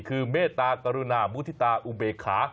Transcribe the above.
คือเมตตากรุณามุฒิตาอุเบคา